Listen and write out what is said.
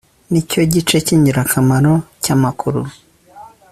Nicyo gice cyingirakamaro cyamakuru